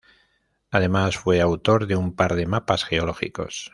Además, fue autor de un par de mapas geológicos.